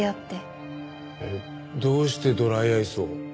どうしてドライアイスを？